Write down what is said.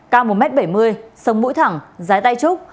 cao một m bảy mươi sông mũi thẳng giái tay trúc